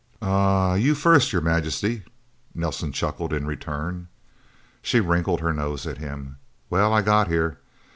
"Uh uh you first, Your Majesty," Nelsen chuckled in return. She wrinkled her nose at him. "Well, I got here.